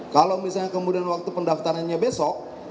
kalau misalnya kemudian waktu pendaftarannya besok